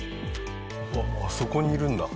あそこにいるんだ。